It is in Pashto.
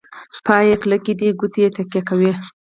پایې کلکې دي کوټې تکیه کوي.